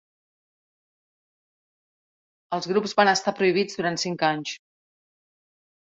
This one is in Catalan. Els grups van estar prohibits durant cinc anys.